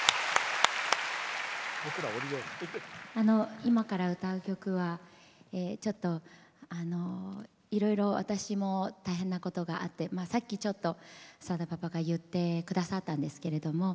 今から歌う曲はちょっと、いろいろ私も大変なことがあってさっきちょっと、さだパパが言ってくださったんですけど